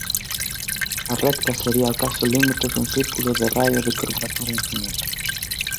A recta sería o caso límite dun círculo de raio de curvatura infinito.